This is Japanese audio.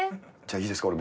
じゃあいいですか？